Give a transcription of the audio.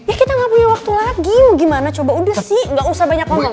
ya kita gak punya waktu lagi mau gimana coba udah sih gak usah banyak ngomong